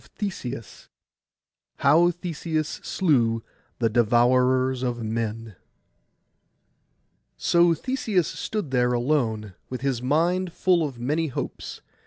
PART II HOW THESEUS SLEW THE DEVOURERS OF MEN So Theseus stood there alone, with his mind full of many hopes.